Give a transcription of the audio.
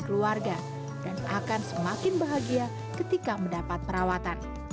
keluarga dan akan semakin bahagia ketika mendapat perawatan